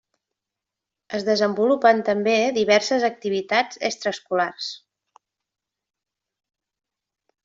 Es desenvolupen també diverses activitats extraescolars.